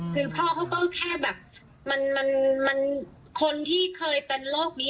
คือพ่อเขาก็แค่แบบมันคนที่เคยเป็นโรคนี้